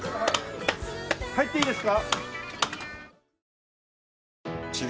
入っていいですか？